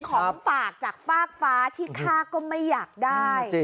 ของฝากจากฟากฟ้าที่ฆ่าก็ไม่อยากได้